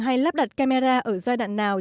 hay lắp đặt camera ở giai đoạn nào